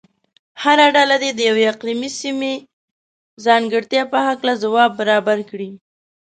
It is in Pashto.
هره ډله دې د یوې اقلیمي سیمې ځانګړتیا په هلکه ځواب برابر کړي.